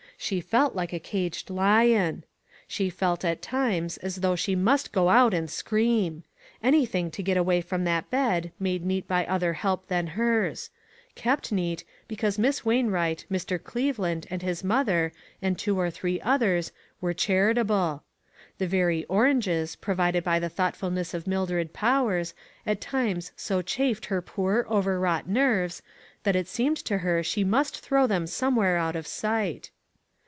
She felt like a caged lion. She felt, at times, as though she must go out and scream! Anything to get away from that bed, made neat by 3$O ONE COMMONPLACE DAY. other help than hers ; kept neat, because Miss Wainwright, Mr. Cleveland, and his mother, and two or three others, were char itable. The very oranges, provided by the thoughtfulness of Mildred Powers, at times so chafed her poor, overwrought nerves, that it seemed to her she must throw them somewhere out of sight.